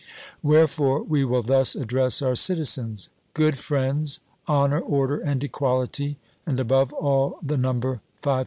Wherefore we will thus address our citizens: Good friends, honour order and equality, and above all the number 5040.